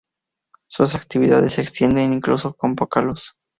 Sus actividades se extienden incluso con poca luz.